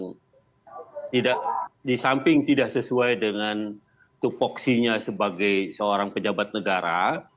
yang tidak disamping tidak sesuai dengan tupoksinya sebagai seorang pejabat negara